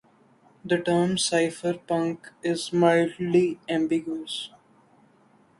The term "cypherpunk" is mildly ambiguous.